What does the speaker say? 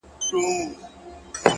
د زړه صفا ارام فکر رامنځته کوي.